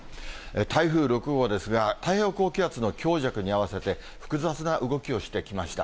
台風６号ですが、太平洋高気圧の強弱に合わせて、複雑な動きをしてきました。